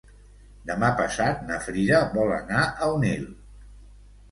Demà passat na Frida vol anar a Onil.